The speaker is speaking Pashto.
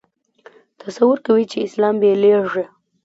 تصور کوي چې اسلام بېلېږي.